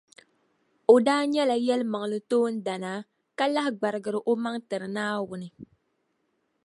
O daa nyɛla yɛlimaŋli toondana, ka lahi gbarigiri o maŋa tiri Naawuni.